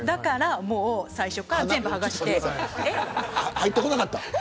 入ってこなかった。